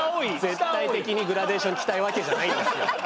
絶対的にグラデーション着たいわけじゃないんですよ。